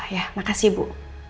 ya makasih bu